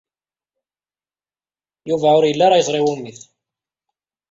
Yuba ur yelli ara yeẓra i wumi-t.